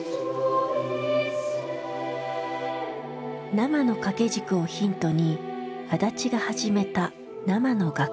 「生の掛軸」をヒントに足立が始めた「生の額絵」。